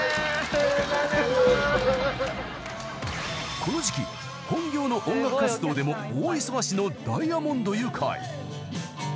［この時期本業の音楽活動でも大忙しのダイアモンドユカイ］